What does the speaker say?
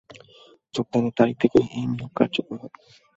যোগদানের তারিখ থেকে এই নিয়োগ কার্যকর হবে।